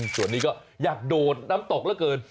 ส่วนนี้ก็อยากโดดน้ำตกเหลือเกิน